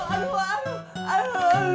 aduh aduh aduh aduh aduh aduh